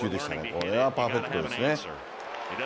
これはパーフェクトですね。